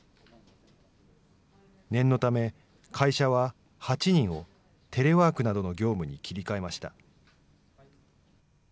念のため会社は、８人をテレワークなどの業務に切り替えました。